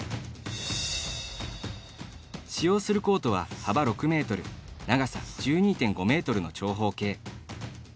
使用するコートは、幅６ｍ長さ１２．５ｍの長方形。